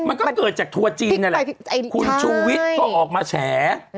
มันก็เกิดจากทัวร์จีนนั่นแหละ